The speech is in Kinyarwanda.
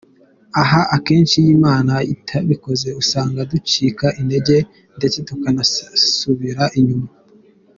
Aha akenshi iyo Imana itabikoze usanga ducika intege ndetse tukanasubira inyuma.